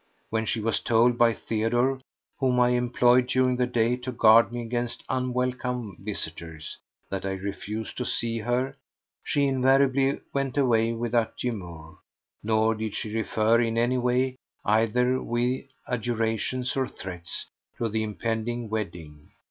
When she was told by Theodore—whom I employed during the day to guard me against unwelcome visitors—that I refused to see her, she invariably went away without demur, nor did she refer in any way, either with adjurations or threats, to the impending wedding.